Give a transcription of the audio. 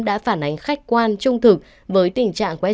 đã phản ánh khách quan trung thực với tình trạng của scb